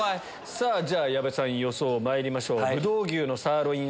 矢部さん予想まいりましょう。